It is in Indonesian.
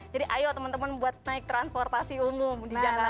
jadi ayo teman teman buat naik transportasi umum di jakarta